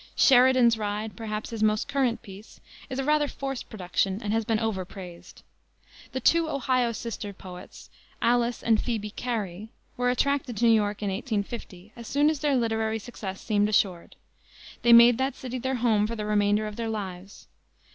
Sheridan's Ride perhaps his most current piece is a rather forced production and has been over praised. The two Ohio sister poets, Alice and Phoebe Cary, were attracted to New York in 1850, as soon as their literary success seemed assured. They made that city their home for the remainder of their lives.